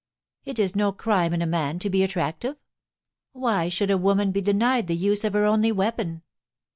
* It is no crime in a man to be attractive. VVhy should a woman be denied the use of her only weapon